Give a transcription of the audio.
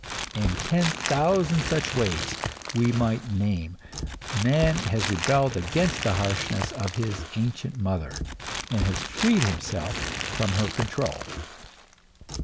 In ten thousand such ways we might name, man has rebelled against the harshness of his ancient mother, and has freed himself from her control.